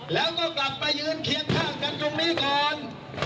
แล้วก็กลับไปยืนเคียงข้างกันตรงนี้ก่อน